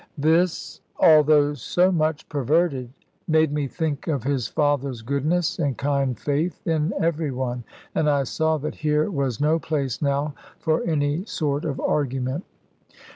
This, although so much perverted, made me think of his father's goodness and kind faith in every one. And I saw that here was no place now for any sort of argument.